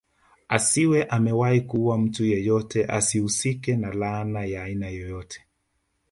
Asiwe amewahi kuua mtu yoyote asihusike na laana ya aina yoyote